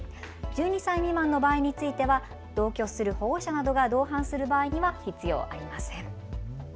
１２歳未満の場合については同居する保護者などが同伴する場合には必要ありません。